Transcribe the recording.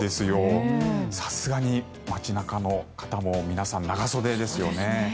さすがに街中の方も皆さん長袖ですよね。